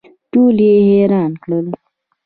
ټول یې حیران کړل.